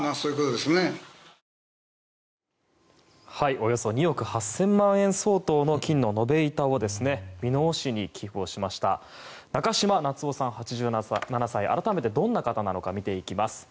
およそ２億８０００万円相当の金の延べ板を箕面市に寄付をしました中嶋夏男さん、８７歳改めてどんな方なのか見ていきます。